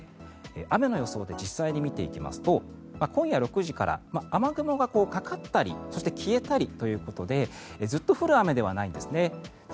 雨の予想で実際に見ていきますと今夜６時から雨雲がかかったり消えたりということでずっと降る雨ではないんですね。